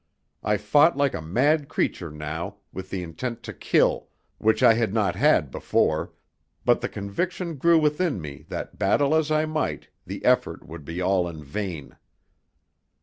I fought like a mad creature now, with the intent to kill, which I had not had before; but the conviction grew within me that, battle as I might, the effort would be all in vain.